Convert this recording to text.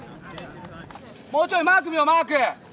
もうちょいマーク見ようマーク。